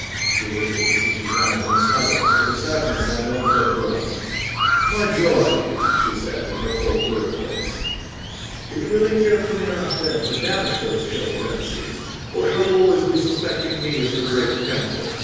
She looked at the beseeching eyes in silence, till the sadness all melted out of her own. "My joy!" she said, in her full clear voice. "Do you really care for me enough, then, to banish those chill fancies, or shall you always be suspecting me as the Great Tempter?"